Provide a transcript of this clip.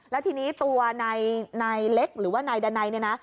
และทีนี้ตัวในในล็กหรือว่าในดันไนเนี่ยนะ